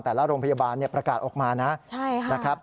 แต่ละโรงพยาบาลประกาศออกมานะ